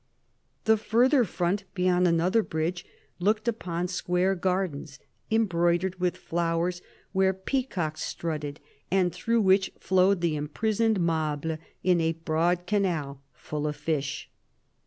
The further front, beyond another bridge, looked upon square gardens " embroidered with flowers," where pea cocks strutted, and through which flowed the imprisoned Mable in a broad canal full of fish.